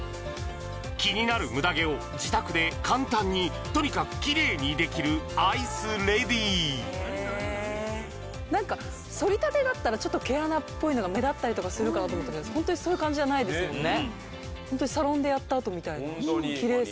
気になるムダ毛を自宅で簡単にとにかくキレイにできるアイスレディ何かそりたてだったらちょっと毛穴っぽいのが目立ったりとかするかなと思ったけど本当にそういう感じじゃないですもんね